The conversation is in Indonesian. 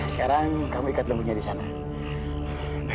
sekarang kamu ikat lembunya di sana